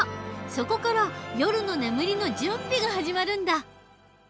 そこから夜の眠りの準備が始まるんだ。